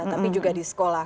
tapi juga di sekolah